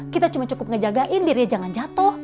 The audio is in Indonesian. kita cuma cukup ngejagain dirinya jangan jatuh